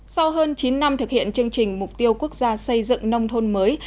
sau hơn chín năm thực hiện chương trình mục tiêu quốc gia xây dựng nông thôn mới